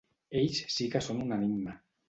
Ells sí que són un enigma.